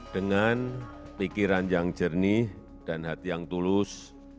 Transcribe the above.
dengan pikiran yang jernih dan hati yang tulus